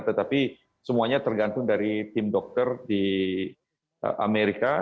tetapi semuanya tergantung dari tim dokter di amerika